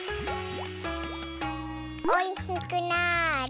おいしくなあれ。